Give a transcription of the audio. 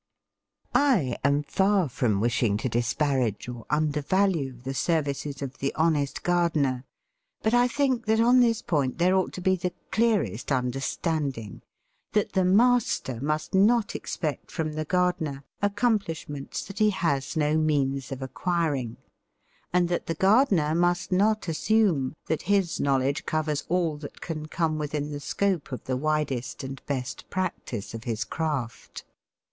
I am far from wishing to disparage or undervalue the services of the honest gardener, but I think that on this point there ought to be the clearest understanding; that the master must not expect from the gardener accomplishments that he has no means of acquiring, and that the gardener must not assume that his knowledge covers all that can come within the scope of the widest and best practice of his craft.